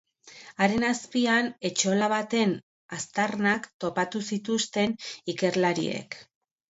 Haren azpian etxola baten aztarnak topatu zituzten ikerlariek.